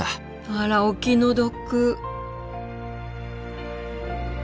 あらお気の毒。